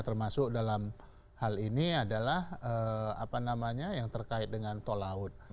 termasuk dalam hal ini adalah apa namanya yang terkait dengan tol laut